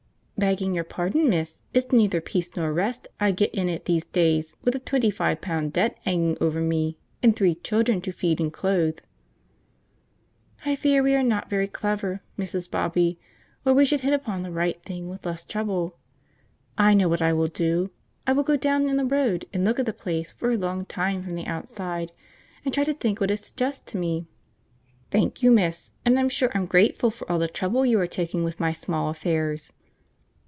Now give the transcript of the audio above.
"Begging your pardon, miss, it's neither peace nor rest I gets in it these days, with a twenty five pound debt 'anging over me, and three children to feed and clothe." "I fear we are not very clever, Mrs. Bobby, or we should hit upon the right thing with less trouble. I know what I will do: I will go down in the road and look at the place for a long time from the outside, and try to think what it suggests to me." "Thank you, miss; and I'm sure I'm grateful for all the trouble you are taking with my small affairs."